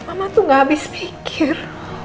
mama tuh nggak habis mikir